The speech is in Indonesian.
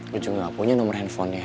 gue juga gak punya nomor handphonenya